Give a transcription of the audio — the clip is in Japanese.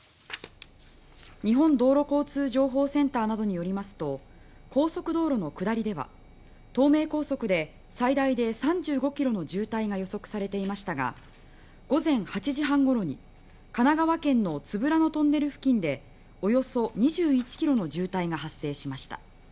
日本道路交通情報センターなどによりますと高速道路の下りでは東名高速で最大で３５ｋｍの渋滞が予測されていましたが午前８時半ごろに神奈川県の都夫良野トンネル付近でおよそ２１ｋｍの渋滞が発生しました。